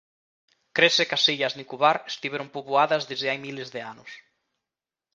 Crese que as illas Nicobar estiveron poboadas desde hai miles de anos.